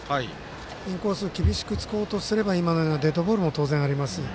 インコース厳しくつこうとすれば今のようなデッドボールも当然あります。